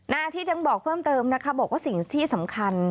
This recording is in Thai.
อาทิตย์ยังบอกเพิ่มเติมนะคะบอกว่าสิ่งที่สำคัญ